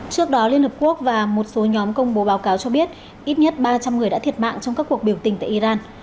trước đó liên hợp quốc và một số nhóm công bố báo cáo cho biết ít nhất ba trăm linh người đã thiệt mạng trong các cuộc biểu tình tại iran